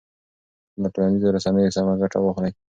له ټولنیزو رسنیو سمه ګټه واخلئ.